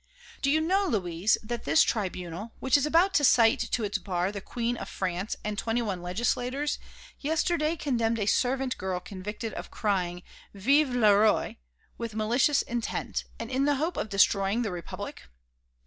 Do you know, Louise, that this tribunal, which is about to cite to its bar the Queen of France and twenty one legislators, yesterday condemned a servant girl convicted of crying: 'Vive le Roi!' with malicious intent and in the hope of destroying the Republic?